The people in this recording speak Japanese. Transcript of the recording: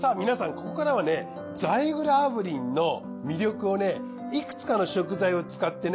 ここからはねザイグル炙輪の魅力をいくつかの食材を使ってね。